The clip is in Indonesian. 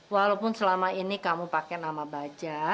walaupun selama ini kamu pakai nama baja